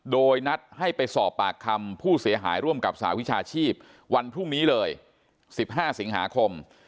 โดยนัดให้ไปสอบปากคำผู้เสียหายร่วมกับสหวิชาชีพวันพรุ่งนี้เลย๑๕สิงหาคม